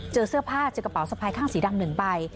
เจอเสื้อผ้าเจอกระเป๋าสะพายข้างสีดำ๑ใบ